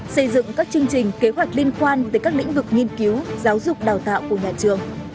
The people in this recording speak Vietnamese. xây dựng các chương trình kế hoạch liên quan tới các lĩnh vực nghiên cứu giáo dục đào tạo của nhà trường